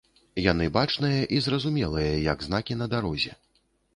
Яны бачныя і зразумелыя, як знакі на дарозе.